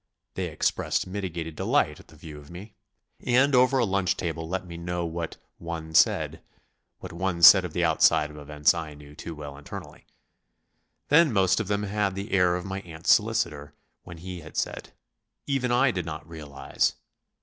They expressed mitigated delight at the view of me, and over a lunch table let me know what "one said" what one said of the outside of events I knew too well internally. They most of them had the air of my aunt's solicitor when he had said, "Even I did not realise...."